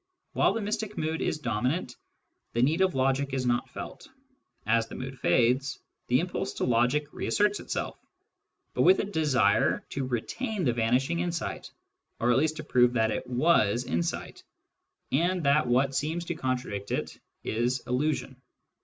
While the mystic mood is dominant, the need of logic is not felt ; as the mood fades, the impulse to logic reasserts itself, but with a desire to retain the vanishing insight, or at least to prove that it was insight, and that what seems to contradict it is illusion.